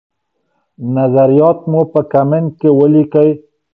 نظریات مو په کمنټ کي ولیکئ.